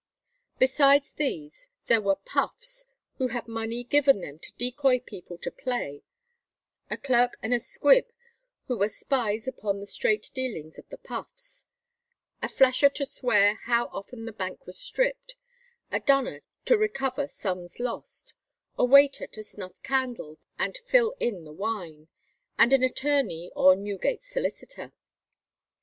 Besides these there were "puffs," who had money given them to decoy people to play; a clerk and a squib, who were spies upon the straight dealings of the puffs; a flasher to swear how often the bank was stripped; a dunner to recover sums lost; a waiter to snuff candles and fill in the wine; and an attorney or "Newgate solicitor."